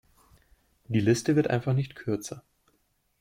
Die Liste wird einfach nicht kürzer.